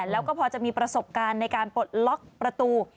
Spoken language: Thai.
แล้วก็พอจะมีประสบการณ์ในการปลดล็อกประตู